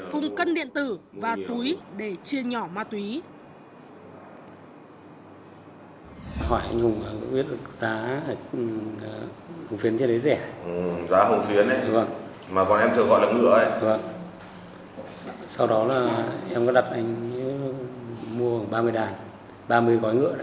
cùng cân điện tử và túy để chia nhỏ ma túy